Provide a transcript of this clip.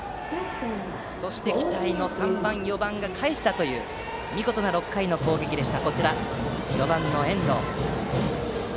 そして期待の３番、４番がかえしたという見事な６回の攻撃でした。